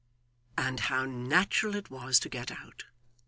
And how natural it was to get out!